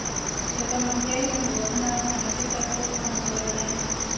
د پرمختیايي هېوادونو صنعتي سکتور کمزوری دی.